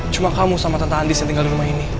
cuma kamu sama tante andis yang tinggal di rumah ini